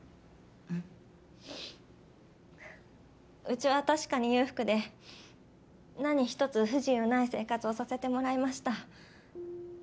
うちは確かに裕福で何一つ不自由ない生活をさせてもらいました。